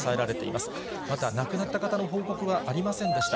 また亡くなった方の報告はありませんでした。